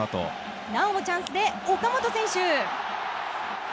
なおもチャンスで岡本選手。